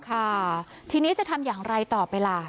ค่ะทีนี้จะทำอย่างไรต่อไปล่ะ